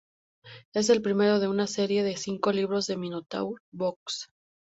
Es el primero de una serie de cinco libros de Minotaur Books.